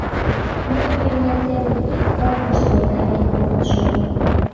Нуно мемнан семын ик олмышто тавен огыт шого.